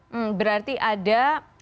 hmm berarti ada